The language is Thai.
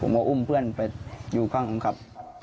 ผมก็อุ้มเพื่อนไปอยู่ข้างผมขับ